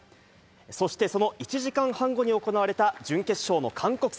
そしてその１時間半後に行われた準決勝の韓国戦。